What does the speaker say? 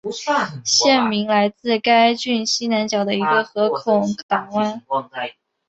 县名来自该郡西南角的一个河口港湾。